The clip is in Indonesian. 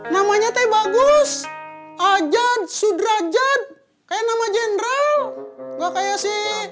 namanya teh bagus ajad sudra jed kayak nama jendral nggak kayak sih